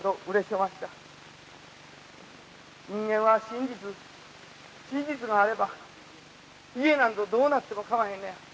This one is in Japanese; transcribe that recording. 「人間は真実真実があれば家なんぞどうなってもかまへんのや。